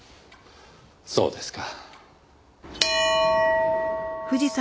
そうですか。